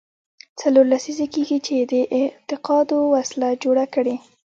څلور لسیزې کېږي چې دې اعتقاداتو وسله جوړه کړې.